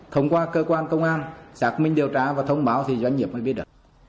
thông qua cơ quan công an xác minh điều tra và thông báo thì doanh nghiệp mới biết được